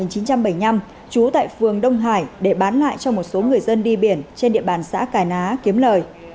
sinh năm một nghìn chín trăm bảy mươi năm trú tại phường đông hải để bán lại cho một số người dân đi biển trên địa bàn xã cải ná kiếm lời